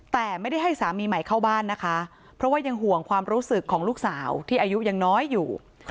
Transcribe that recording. แต่ไม่ได้ให้สามีใหม่เข้าบ้านนะคะเพราะว่ายังห่วงความรู้สึกของลูกสาวที่อายุยังน้อยอยู่